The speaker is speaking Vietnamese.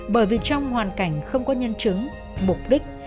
bởi vì trong hoàn cảnh không có nhân chứng mục đích